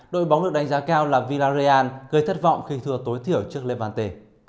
đội bóng được đánh giá cao là villarreal gây thất vọng khi thừa tối thiểu trước levante